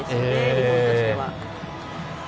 日本としては。